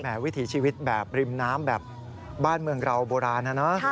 วิถีชีวิตแบบริมน้ำแบบบ้านเมืองเราโบราณนะเนอะ